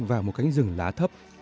vào một cánh rừng lá thấp